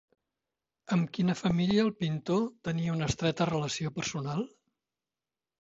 Amb quina família el pintor tenia una estreta relació personal?